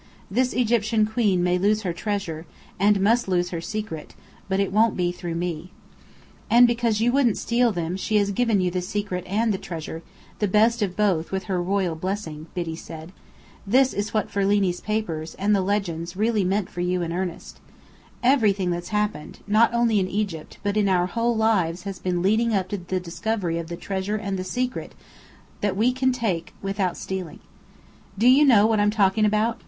This Egyptian queen may lose her treasure, and must lose her secret; but it won't be through me." "And because you wouldn't steal them, she has given you the secret and the treasure, the best of both, with her royal blessing," Biddy said. "This is what Ferlini's papers, and the legends, really meant for you and Ernest. Everything that's happened, not only in Egypt, but in our whole lives, has been leading up to the discovery of the Treasure and the Secret that we can take without stealing. Do you know what I'm talking about?